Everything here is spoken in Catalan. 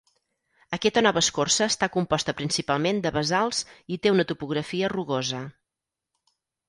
Aquesta nova escorça està composta principalment de basalts i té una topografia rugosa.